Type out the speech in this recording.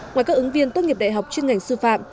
ngoài các ứng viên tốt nghiệp đại học chuyên ngành sư phạm